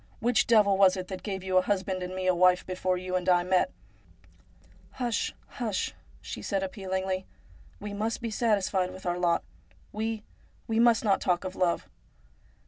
Which devil was it that gave you a husband and me a wife before you and I met ?'' Hush, hush !' she said appealingly, ' we must be satisfied with our lot. We, we must not talk of love.'